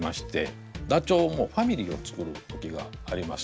ダチョウもファミリーを作る時があります。